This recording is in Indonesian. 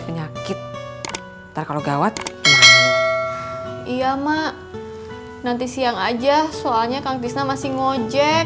penyakit ntar kalau gawat iya mak nanti siang aja soalnya kang bisna masih ngojek